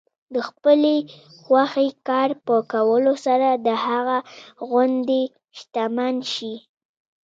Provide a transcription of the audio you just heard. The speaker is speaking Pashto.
د خپلې خوښې کار په کولو سره د هغه غوندې شتمن شئ.